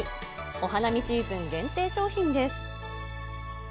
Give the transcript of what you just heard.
お花見シーズン限定商品です。